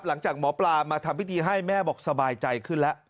หลังจากหมอปลามาทำพิธีให้แม่บอกสบายใจขึ้นแล้ว